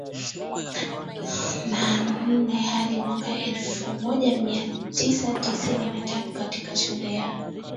na nne hadi mwaka elfu moja mia tisa tisini na tano katika shule ya